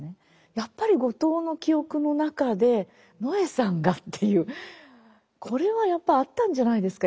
やっぱり後藤の記憶の中で野枝さんがっていうこれはやっぱあったんじゃないですか